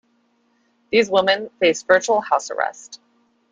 These women faced virtual house arrest.